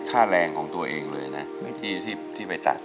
ค่าแรงของตัวเองเลยนะที่ไปตัด